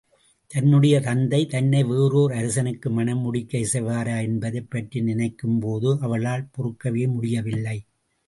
தன்னுடைய தந்தை தன்னை வேறோர் அரசனுக்கு மணமுடிக்க இசைவாரா என்பதைப் பற்றி நினைக்கும்போது, அவளால் பொறுக்கவே முடியவில்லை.